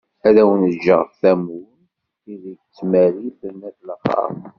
Ad awen-ğğeγ tamurt, ideg ad tmerriten at laxert.